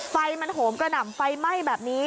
ไฟมันโหมกระหน่ำไฟไหม้แบบนี้